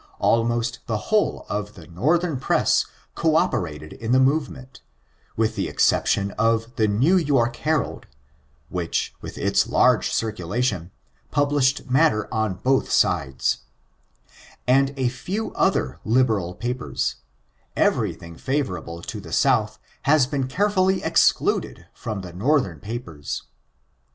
Almost the whole of the Northern press co operated in the movement, with the exception t»f the New York Herald, (which, with its large circulation, published matter on both sides,) and a few other liberal papers, everything favorable to the South has been carefully excluded from the Northern papers.